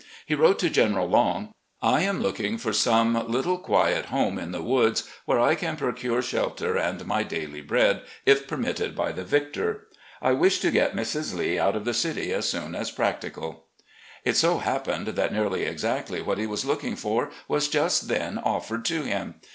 He wrote to General Long: " I am looking for some little, quiet home in the woods, where I can procure shelter and my daily bread, if per mitted by the victor. I wish to get Mrs. Lee out of the city as soon as practical." A PRIVATE CITIZEN 171 It so happened that nearly exactly what he was looking for was just then offered to him.